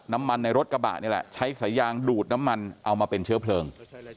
ในรถกระบะนี่แหละใช้สายยางดูดน้ำมันเอามาเป็นเชื้อเพลิง